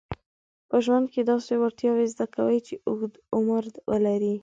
په ژوند کې داسې وړتیاوې زده کوي چې اوږد عمر ولري.